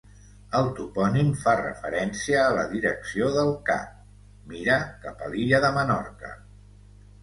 El topònim fa referència a la direcció del cap: mira cap a l'illa de Menorca.